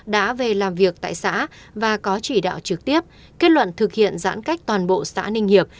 đã về làm việc tại xã và có chỉ đạo trực tiếp kết luận thực hiện giãn cách toàn bộ xã ninh hiệp